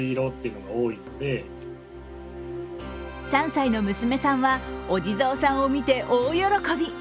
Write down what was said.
３歳の娘さんは、お地蔵さんを見て大喜び。